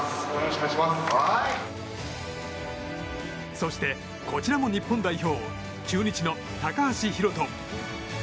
そして、こちらも日本代表中日の高橋宏斗。